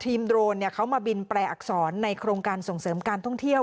โดรนเขามาบินแปลอักษรในโครงการส่งเสริมการท่องเที่ยว